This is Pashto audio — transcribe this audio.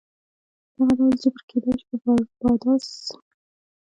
دغه ډول جبر کېدای شي په باربادوس او جامیکا کې مرسته کړې وي